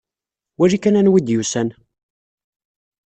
Wali kan anwa i d-yusan!